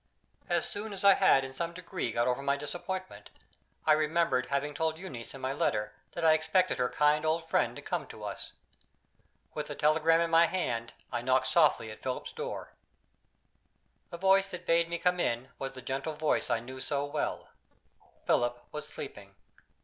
As soon as I had in some degree got over my disappointment, I remembered having told Euneece in my letter that I expected her kind old friend to come to us. With the telegram in my hand I knocked softly at Philip's door. The voice that bade me come in was the gentle voice that I knew so well. Philip was sleeping.